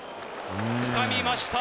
つかみました。